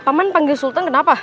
paman panggil sultan kenapa